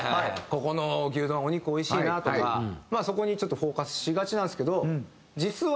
ここの牛丼お肉おいしいなとかまあそこにちょっとフォーカスしがちなんですけど実は。